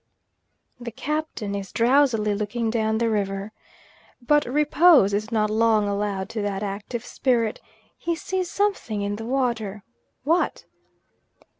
The Captain is drowsily looking down the river. But repose is not long allowed to that active spirit; he sees something in the water what?